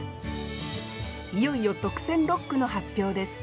いよいよ特選六句の発表です。